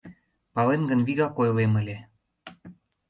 — Палем гын, вигак ойлем ыле.